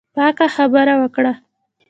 پاکه خبره وکړه.